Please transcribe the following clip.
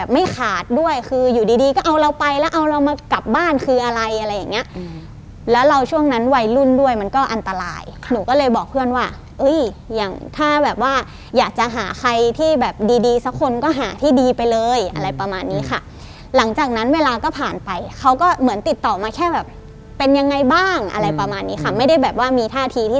ไม่ขาดด้วยคืออยู่ดีดีก็เอาเราไปแล้วเอาเรามากลับบ้านคืออะไรอะไรอย่างเงี้ยแล้วเราช่วงนั้นวัยรุ่นด้วยมันก็อันตรายหนูก็เลยบอกเพื่อนว่าเอ้ยอย่างถ้าแบบว่าอยากจะหาใครที่แบบดีดีสักคนก็หาที่ดีไปเลยอะไรประมาณนี้ค่ะหลังจากนั้นเวลาก็ผ่านไปเขาก็เหมือนติดต่อมาแค่แบบเป็นยังไงบ้างอะไรประมาณนี้ค่ะไม่ได้แบบว่ามีท่าทีที่